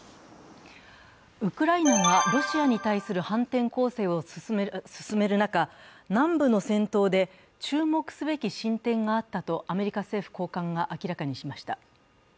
ウクライナがロシアに対する反転攻勢を進める中、南部の戦闘で注目すべき進展があったとアメリカ政府高官が明らかにしました。